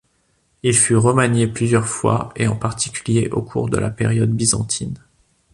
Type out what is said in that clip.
Il fut remanié plusieurs fois et en particulier au cours de la période byzantine.